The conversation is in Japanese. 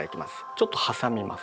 ちょっと挟みます。